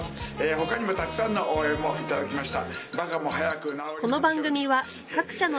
他にもたくさんの応援も頂きました。